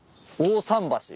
大さん橋。